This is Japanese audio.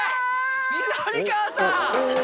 緑川さん。